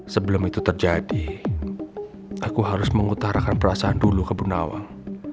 sebelum itu terjadi aku harus mengutarakan perasaan dulu ke bu nawang